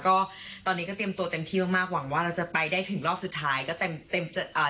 ก็ตอนนี้ก็เตรียมตัวเต็มที่มากมากหวังว่าเราจะไปได้ถึงรอบสุดท้ายก็เต็มเต็มอ่า